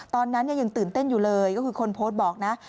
ตอนนั้นยังตื่นเต้นอยู่เลยก็คือคนโพสต์บอกนะ